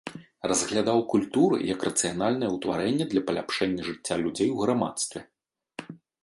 Разглядаў культуру як рацыянальнае ўтварэнне для паляпшэння жыцця людзей у грамадстве.